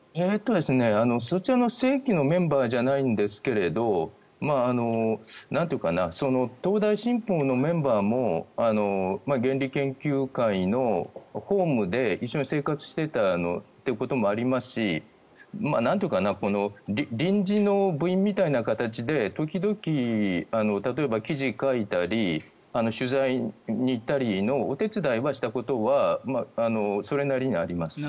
そちらの正規のメンバーじゃないんですが東大新報のメンバーも原理研究会のホームで一緒に生活していたということもありますしなんというか臨時の部員みたいな形で時々例えば記事を書いたり取材に行ったりのお手伝いをしたことはそれなりにあります。